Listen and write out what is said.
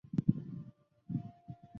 南京意思为南方的京城。